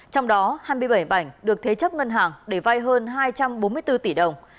trong đó hai mươi bảy bảnh được thế chấp ngân hàng để vai hơn hai trăm bốn mươi bốn tỷ đồng